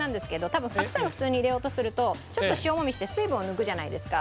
多分白菜を普通に入れようとするとちょっと塩もみして水分を抜くじゃないですか。